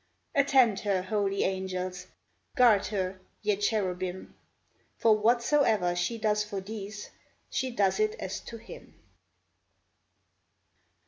Attend her, holy Angels ! Guard her, ye Cherubim ! For whatsoe'er she does for these She does it as to Him